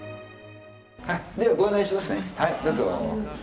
ご案内しますね。